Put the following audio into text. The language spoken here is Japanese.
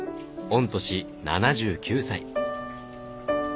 御年７９歳。